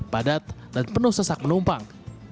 padat dan penuh sesak penumpang